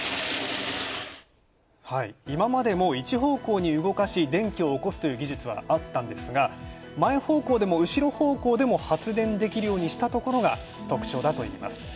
今までも、一方向に動かし電気を起こすという技術はあったんですが、前方向でも後ろ方向でも発電できるようにしたところが特徴だといいます。